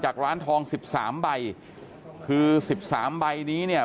ร้านทองสิบสามใบคือสิบสามใบนี้เนี่ย